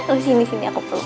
terus sini sini aku perlu